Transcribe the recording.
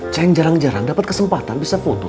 ceng jarang jarang dapat kesempatan bisa foto